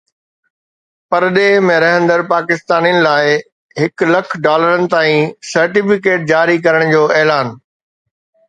پرڏيهه ۾ رهندڙ پاڪستانين لاءِ هڪ لک ڊالرن تائين سرٽيفڪيٽ جاري ڪرڻ جو اعلان